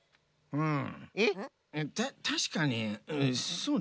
うん。